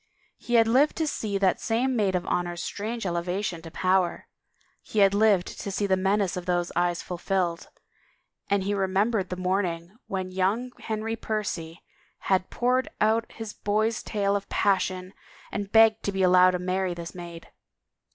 He had lived to see that same maid of honor's strange elevation to power; he had lived to see the menace of those eyes fulfilled. And he remembered the morning when young Henry Percy had poured out his boy's tale of passion and begged to be allowed to marry this maid.